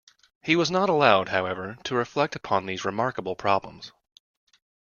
He was not allowed, however, to reflect upon these remarkable problems.